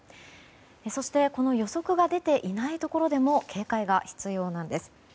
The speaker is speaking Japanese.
そして予測が出ていないところでも警戒が必要なんです。